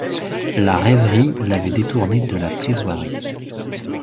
La rêverie l’avait détourné de la plaidoirie.